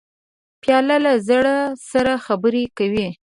پیاله له زړه سره خبرې کوي.